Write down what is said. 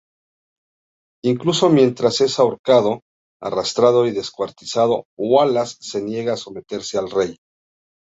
Incluso mientras es ahorcado, arrastrado y descuartizado, Wallace se niega a someterse al rey.